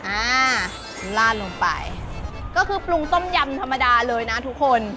อ่าลาดลงไปก็คือปรุงต้มยำธรรมดาเลยนะทุกคน